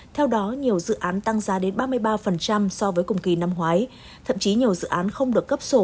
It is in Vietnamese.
theo đó nhiều dự án tăng giá đến ba mươi ba so với cùng kỳ năm ngoái thậm chí nhiều dự án không được cấp sổ